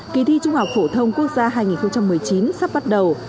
kỳ thi trung học phổ thông quốc gia hai nghìn một mươi chín sắp bắt đầu